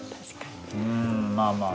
うんまあまあ。